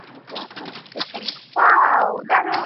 এর আগেই তাদের আহতদের সংখ্যা বিপুল পরিমাণে হয়ে গিয়েছিল।